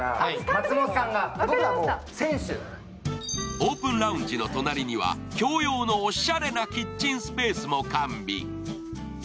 オープンラウンジの隣には共用のおしゃれなキッチンスペースも完備。